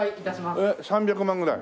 えっ３００万ぐらい？